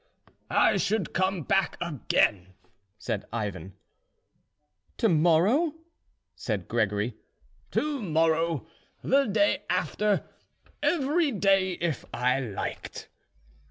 "I should come back again," said Ivan. "To morrow?" said Gregory. "To morrow, the day after, every day if I liked...."